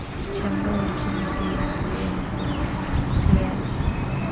cha moi nchini kenya huyu ni cleya